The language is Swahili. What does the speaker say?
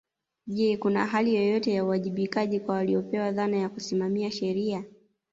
Je kuna hali yoyote ya uwajibikaji kwa waliopewa dhana ya kusimamia sheria